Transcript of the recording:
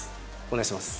お願いします。